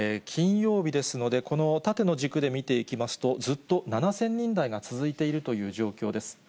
金曜日ですので、この縦の軸で見ていきますと、ずっと７０００人台が続いているという状況です。